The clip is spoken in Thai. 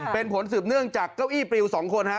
เป็นผลสืบเนื่องจากเก้าอี้ปลิว๒คนฮะ